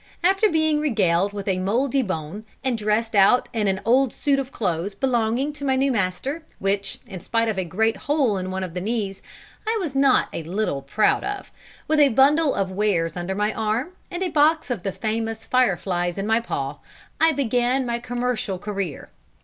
After being regaled with a mouldy bone, and dressed out in an old suit of clothes belonging to my new master, which, in spite of a great hole in one of the knees, I was not a little proud of, with a bundle of wares under my arm and a box of the famous "fire flies" in my paw, I began my commercial career.